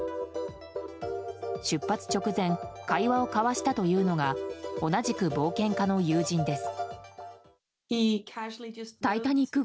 出発直前会話を交わしたというのが同じく冒険家の友人です。